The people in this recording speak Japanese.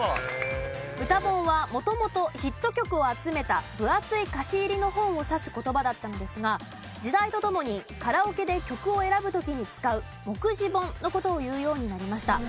「歌本」は元々ヒット曲を集めた分厚い歌詞入りの本を指す言葉だったんですが時代とともにカラオケで曲を選ぶ時に使う目次本の事をいうようになりました。